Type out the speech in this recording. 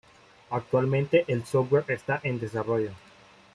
Actualmente el software está en desarrollo.